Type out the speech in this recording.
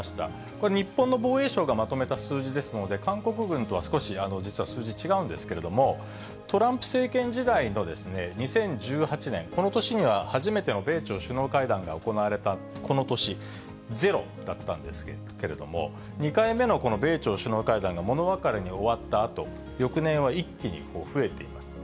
これ、日本の防衛省がまとめた数字ですので、韓国軍とは少し実は数字違うんですけれども、トランプ政権時代の２０１８年、この年には、初めての米朝首脳会談が行われたこの年、０だったんですけれども、２回目のこの米朝首脳会談が物別れに終わったあと、翌年は、一気に増えています。